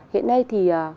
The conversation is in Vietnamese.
hiện nay thì